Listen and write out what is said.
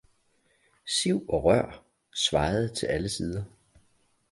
siv og rør svajede til alle sider.